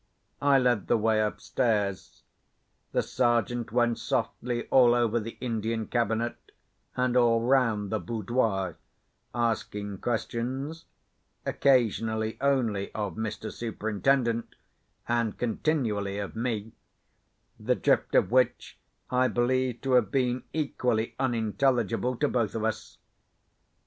I led the way upstairs. The Sergeant went softly all over the Indian cabinet and all round the "boudoir;" asking questions (occasionally only of Mr. Superintendent, and continually of me), the drift of which I believe to have been equally unintelligible to both of us.